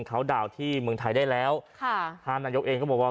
เขาดาวน์ที่เมืองไทยได้แล้วค่ะท่านนายกเองก็บอกว่า